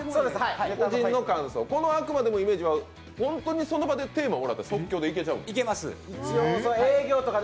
個人の感想、この「あくまでもイメージ」は本当にその場でテーマもらったらいけちゃうんですか？